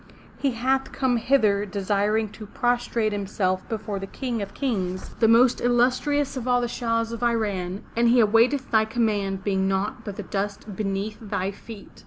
He hath come hither desiring to prostrate himself before the King of Kings, the most 441 M Y BOOK HOUSE illustrious of all the Shahs of Iran, and he awaiteth thy com mands, being naught but the dust beneath thy feet!'